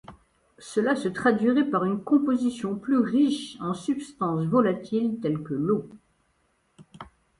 Cela se traduirait par une composition plus riche en substances volatiles telles que l'eau.